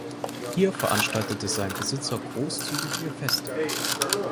Hier veranstaltete sein Besitzer großzügige Feste.